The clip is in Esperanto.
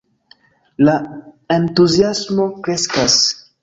La entuziasmo kreskas.